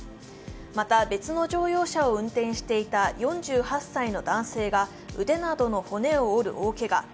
また別の乗用車を運転していた４８歳の男性が、腕などの骨を折る大けが。